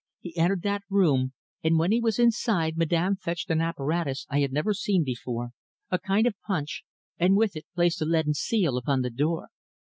He entered that room, and when he was inside Madame fetched an apparatus I had never seen before, a kind of punch, and with it placed a leaden seal upon the door.